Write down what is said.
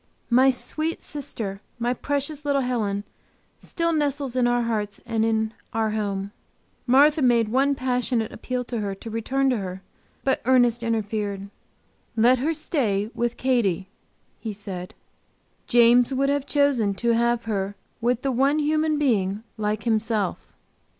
My sweet sister, my precious little Helen, still nestles in our hearts and in our home. Martha made one passionate appeal to her to return to her, but Ernest interfered: "Let her stay with Katy," he said. "James would have chosen to have her with the one human being like himself."